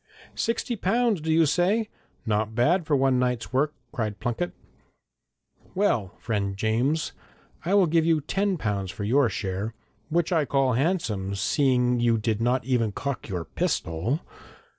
'Sixty pounds, do you say? Not bad for one night's work,' cried Plunket. 'Well, friend James, I will give you ten pounds for your share, which I call handsome, seeing you did not even cock your pistol!